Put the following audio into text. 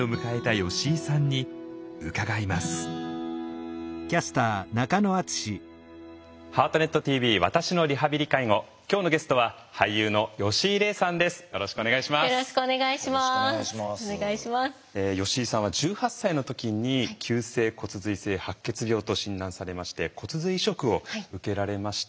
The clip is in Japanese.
吉井さんは１８歳の時に急性骨髄性白血病と診断されまして骨髄移植を受けられました。